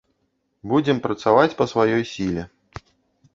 Будзем працаваць па сваёй сіле.